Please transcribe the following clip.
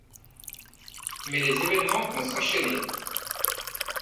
Mais les événements vont s'enchaîner.